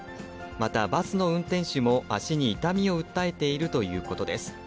またバスの運転手も足に痛みを訴えているということです。